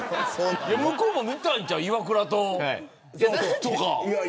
向こうも見たいんちゃうのイワクラのとか。